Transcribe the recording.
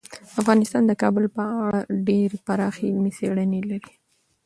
افغانستان د کابل په اړه ډیرې پراخې علمي څېړنې لري.